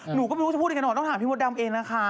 หนูก็ไม่รู้จะพูดยังไงหรอต้องถามพี่มดดำเองนะคะ